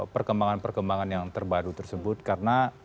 perkembangan perkembangan yang terbaru tersebut karena